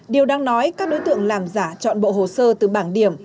điều đang nói các đối tượng làm giả chọn bộ hồ sơ từ bảng điểm